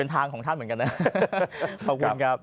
ทางของท่านเหมือนกันนะขอบคุณครับ